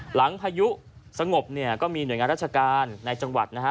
พายุสงบเนี่ยก็มีหน่วยงานราชการในจังหวัดนะฮะ